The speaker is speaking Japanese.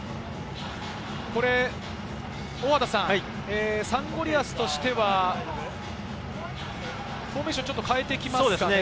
大畑さん、サンゴリアスとしては、フォーメーションをちょっと変えてきますね。